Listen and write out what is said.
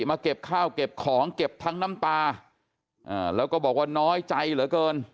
มาเก็บข้าวเก็บของเก็บทั้งน้ำตาอ่าแล้วก็บอกว่าน้อยใจเหลือเกิน